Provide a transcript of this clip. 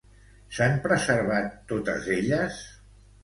S'han preservat totes elles?